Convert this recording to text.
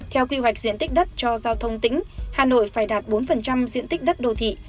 theo quy hoạch diện tích đất cho giao thông tỉnh hà nội phải đạt bốn diện tích đất đô thị